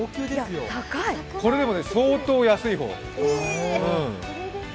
これでも相当安い方。